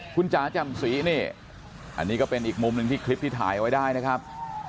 คุณจ๋าจำศรีนี่อันนี้ก็เป็นอีกมุมหนึ่งที่คลิปที่ถ่ายไว้ได้นะครับ